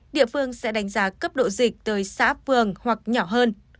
địa phương sẽ đánh giá cấp độ dịch tới xã phường hoặc nhỏ hơn